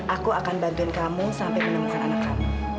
aku akan bantuin kamu sampai menemukan anak kami